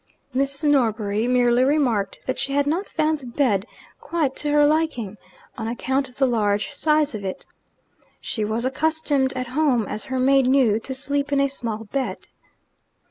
Mrs. Norbury merely remarked that she had not found the bed quite to her liking, on account of the large size of it. She was accustomed at home, as her maid knew, to sleep in a small bed.